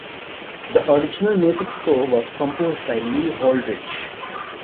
The original music score was composed by Lee Holdridge.